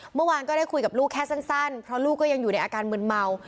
เมื่อวานก็ได้คุยกับลูกแค่สั้นเพราะลูกก็ยังอยู่ในอาการมืนเมา